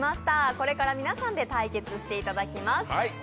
これから皆さんで対決していただきます。